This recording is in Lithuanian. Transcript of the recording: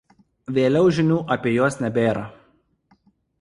Vėliau žinių apie juos nebėra.